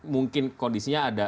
mungkin kondisinya ada